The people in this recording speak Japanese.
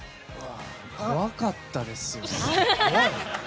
怖かったですよ。